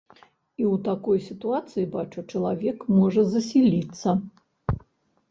І ў такой сітуацыі, бачу, чалавек можа засіліцца.